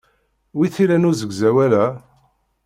Wi t-ilan usegzawal-a?